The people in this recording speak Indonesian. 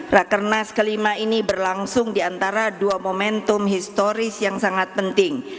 rakernas kelima ini berlangsung di antara dua momentum historis yang sangat penting